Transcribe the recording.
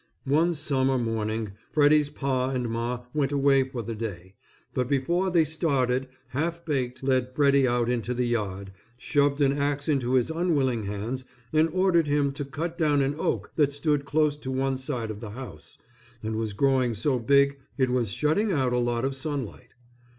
One summer morning Freddy's Pa and Ma went away for the day, but before they started Half Baked led Freddy out into the yard, shoved an axe into his unwilling hands and ordered him to cut down an oak that stood close to one side of the house, and was growing so big it was shutting out a lot of sunlight.